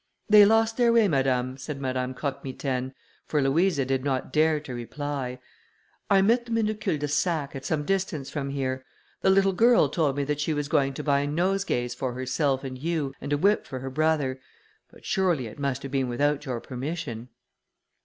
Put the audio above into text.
"They lost their way, madame," said Madame Croque Mitaine, for Louisa did not dare to reply. "I met them in a cul de sac, at some distance from here: the little girl told me that she was going to buy nosegays for herself and you, and a whip for her brother; but surely it must have been without your permission."